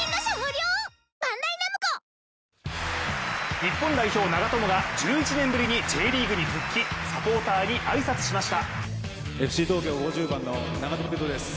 日本代表、長友が１１年ぶりにＪリーグに復帰、サポーターに挨拶しました。